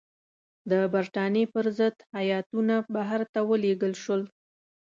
د برټانیې پر ضد هیاتونه بهر ته ولېږل شول.